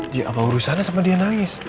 dia apa urusannya sama dia nangis